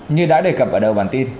như đã đề cập ở đầu bản tin